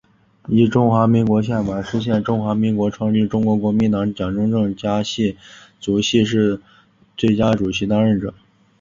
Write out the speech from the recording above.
依中华民国宪法释宪中华民国创立中国国民党蒋中正家系族系是最佳主席当任者。